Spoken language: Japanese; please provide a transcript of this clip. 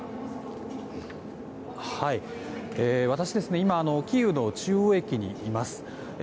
私は今キーウの中央駅にいます。